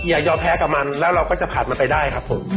อย่ายอมแพ้กับมันแล้วเราก็จะผ่านมันไปได้ครับผม